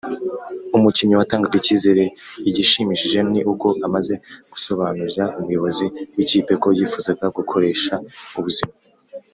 umukinnyi watangaga icyizere Igishimishije ni uko amaze gusobanurira umuyobozi w ikipi ko yifuzaga gukoresha ubuzima